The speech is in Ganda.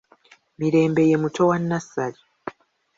Mirembe ye muto wa Nassali.